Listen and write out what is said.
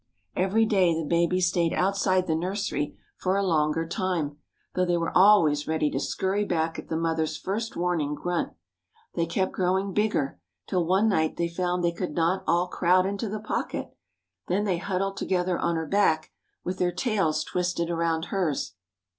Every day the babies stayed outside the nursery for a longer time, though they were always ready to scurry back at the mother's first warning grunt. They kept growing bigger, till one night they found that they could not all crowd into the pocket. Then they huddled together on her back, with their tails twisted around hers.